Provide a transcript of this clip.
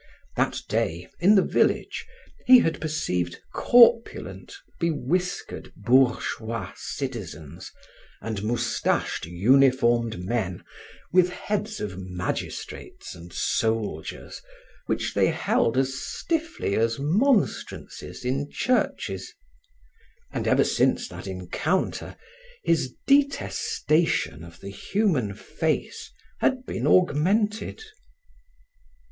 That day, in the village, he had perceived corpulent, bewhiskered bourgeois citizens and moustached uniformed men with heads of magistrates and soldiers, which they held as stiffly as monstrances in churches. And ever since that encounter, his detestation of the human face had been augmented.